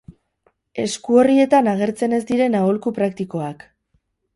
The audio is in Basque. Eskuorrietan agertzen ez diren aholku praktikoak.